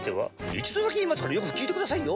一度だけ言いますからよく聞いてくださいよ。